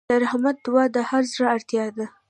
د رحمت دعا د هر زړه اړتیا ده.